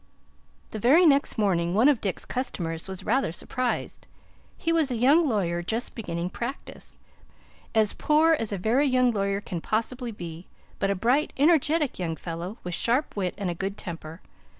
The very next morning, one of Dick's customers was rather surprised. He was a young lawyer just beginning practice as poor as a very young lawyer can possibly be, but a bright, energetic young fellow, with sharp wit and a good temper.